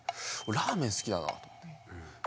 ラーメン好きだなと思って。